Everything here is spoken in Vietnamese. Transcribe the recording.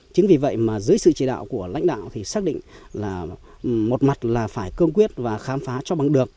chính vì vậy mà dưới sự chỉ đạo của lãnh đạo thì xác định là một mặt là phải cương quyết và khám phá cho bằng được